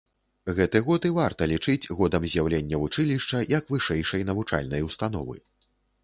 Гэты год і варта лічыць годам з'яўлення вучылішча як вышэйшай навучальнай установы.